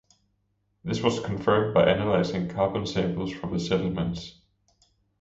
This was confirmed by analyzing carbon samples from the settlements.